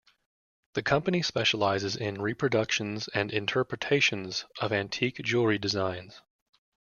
The company specializes in reproductions and interpretations of antique jewelry designs.